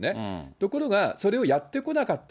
ところがそれをやってこなかった。